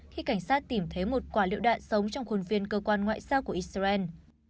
khi cảnh sát tìm thấy một quả liệu đạn sống trong khuôn viên cơ quan ngoại giao của israel